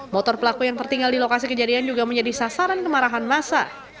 motor pelaku yang tertinggal di lokasi kejadian juga menjadi sasaran kemarahan masa